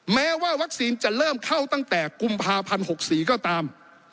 แม้ว่าวัคซีนจะเริ่มเข้าตั้งแต่กุมภาพันธ์๖๔ก็ตาม